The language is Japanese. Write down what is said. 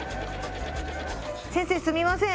先生すみません。